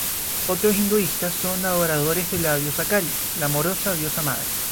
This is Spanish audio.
Otros hinduistas son adoradores de la diosa Kali, la amorosa diosa madre.